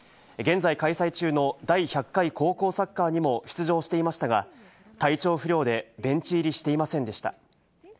現在開催中の第１００回高校サッカーにも出場していましたが、体調不良でベンチ入りしていませんでした。